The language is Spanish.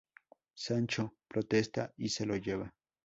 Sancho protesta y se lo lleva.